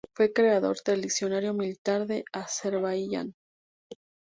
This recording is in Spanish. Fue creador del diccionario militar en Azerbaiyán.